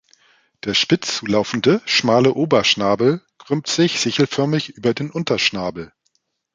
Der spitz zulaufende, schmale Oberschnabel krümmt sich sichelförmig über den Unterschnabel.